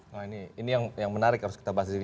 nah ini yang menarik harus kita bahas disini